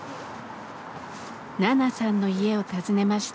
ナナさんの家を訪ねました。